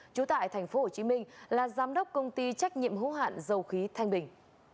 trú tại tp hcm là giám đốc công ty trách nhiệm hữu hạn dầu khí thanh bình